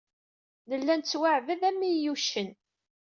Nella nettwaɛbed am yiyucen.